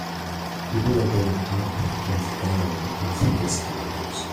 People are going up and down on three escalators.